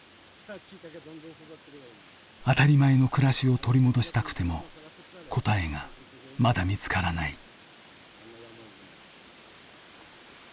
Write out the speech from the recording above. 当たり前の暮らしを取り戻したくても答えがまだ見つからない。